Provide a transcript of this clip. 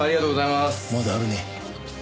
まだあるね。